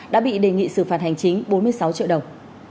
đã bị đề nghị xử phạt hành chính bốn mươi sáu triệu đồng